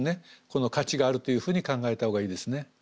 価値があるというふうに考えたほうがいいですね。